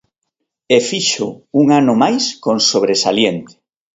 E fíxoo, un ano máis, con sobresaliente.